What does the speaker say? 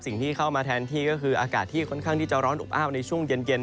สิ่งที่เข้ามาแทนที่ก็คืออากาศที่ค่อนข้างที่จะร้อนอบอ้าวในช่วงเย็น